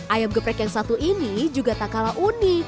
ayam geprek yang satu ini juga tak kalah unik